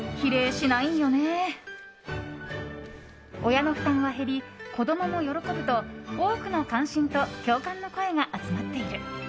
親の負担は減り、子供も喜ぶと多くの関心と共感の声が集まっている。